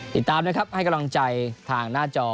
ติดตามนะครับให้กำลังใจทางหน้าจอ